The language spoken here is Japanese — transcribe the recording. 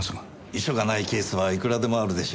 遺書がないケースはいくらでもあるでしょう。